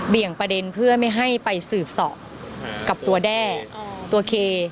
ประเด็นเพื่อไม่ให้ไปสืบสอบกับตัวแด้ตัวเค